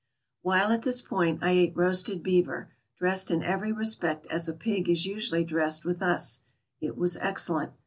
While at this post I ate roasted beaver, dressed in every respect as a pig is usually dressed with us ; it was excellent.